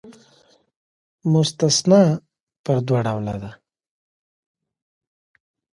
مستثنی پر دوه ډوله ده.